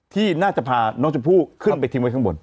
ที่น่าจะพาน้องชมพู่ขึ้นไปทิ้งไว้ข้างบน